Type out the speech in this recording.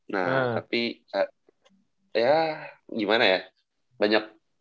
nah tapi ya gimana ya